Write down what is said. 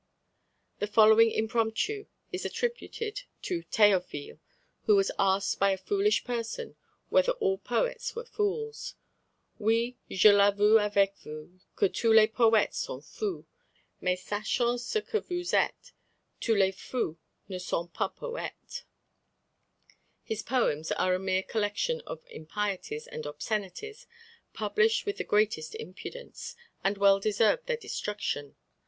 The following impromptu is attributed to Théophile, who was asked by a foolish person whether all poets were fools: "Oui, je l'avoue avec vous, Que tous les poètes sont fous; Mais sachant ce que vous êtes, Tous les fous ne sont pas poètes." His poems are a mere collection of impieties and obscenities, published with the greatest impudence, and well deserved their destruction.